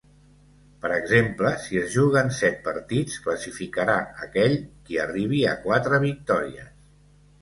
Per exemple, si es juguen set partits, classificarà aquell qui arribi a quatre victòries.